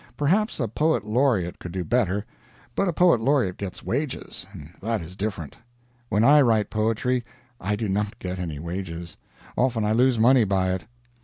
Perhaps a poet laureate could do better, but a poet laureate gets wages, and that is different. When I write poetry I do not get any wages; often I lose money by it.